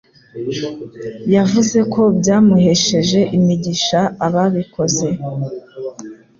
yavuze ko byamuhesheje imigisha ababikoze